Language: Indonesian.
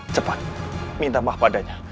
cepat minta maaf padanya